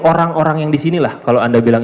orang orang yang di sini lah kalau anda bilang